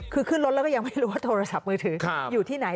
คือขึ้นรถแล้วก็ยังไม่รู้ว่าโทรศัพท์มือถืออยู่ที่ไหน